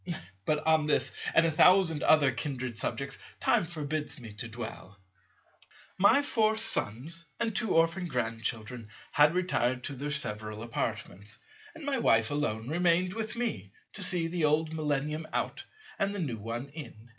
But on this, and a thousand other kindred subjects, time forbids me to dwell. My four Sons and two orphan Grandchildren had retired to their several apartments; and my wife alone remained with me to see the old Millennium out and the new one in.